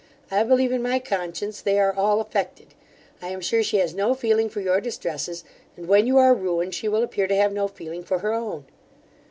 I believe in my conscience they are all affected: I am sure she has no feeling for your distresses; and, when you are ruined, she will appear to have no feeling for her own.